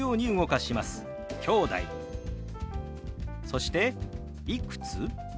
そして「いくつ？」。